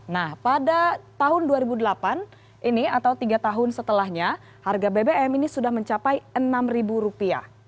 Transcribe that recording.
nah pada tahun dua ribu delapan ini atau tiga tahun setelahnya harga bbm ini sudah mencapai rp enam